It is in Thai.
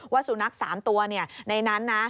สุนัข๓ตัวในนั้นนะ